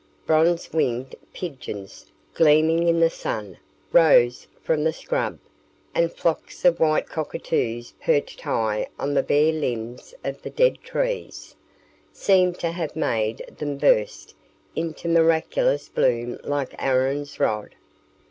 Bronzed winged pigeons, gleaming in the sun, rose from the scrub, and flocks of white cockatoos, perched high on the bare limbs of the dead trees, seemed to have made them burst into miraculous bloom like Aaron's rod.